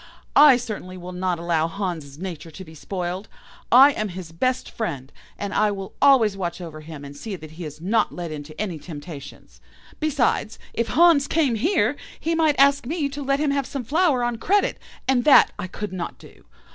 I certainly will not allow Hans' nature to be spoiled. I am his best friend, and I will always watch over him, and see that he is not led into any temptations. Besides, if Hans came here, he might ask me to let him have some flour on credit, and that I could not do.